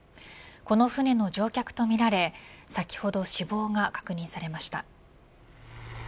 この船の乗客とみられ先ほど死亡が確認されました。